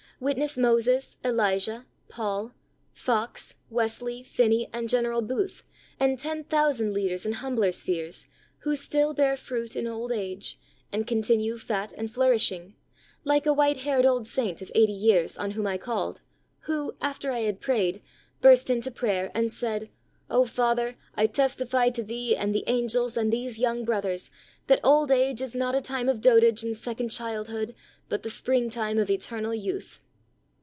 Witness Moses, Elijah, Paul, Fox, Wesley, Finney and General Booth, and ten thousand leaders in hum bler spheres who still bear "fruit in old age," and continue "fat and flourishing;" like a white haired old saint of eighty years, on whom I called who, after I had prayed, burst into prayer, and said: "O 40 THE soul winner's SECRET. Father, I testify to Thee, and the angels, and these young brothers, that old age is not a time of dotage and second childhood, but the springtime of eternal youth."